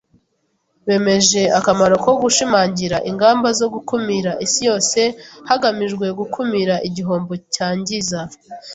Bemeje akamaro ko gushimangira ingamba zo gukumira isi yose hagamijwe gukumira igihombo cyangiza.